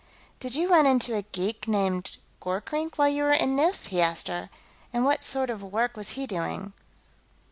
"Did you run into a geek named Gorkrink, while you were on Nif?" he asked her. "And what sort of work was he doing?"